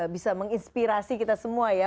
bisa menginspirasi kita semua ya